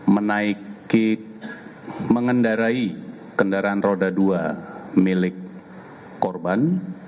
menaiki mengendarai kendaraan roda dua milik korban